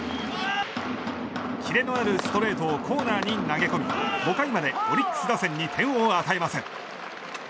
キレのあるストレートをコーナーに投げ込み５回までオリックス打線に点を与えません。